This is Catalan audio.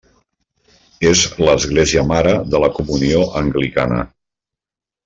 És l'església mare de la Comunió Anglicana.